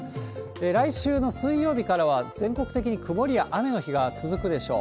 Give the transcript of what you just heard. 来週の水曜日からは、全国的に曇りや雨の日が続くでしょう。